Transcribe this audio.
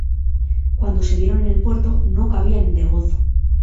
Cuando se vieron en el puerto, no cabían de gozo.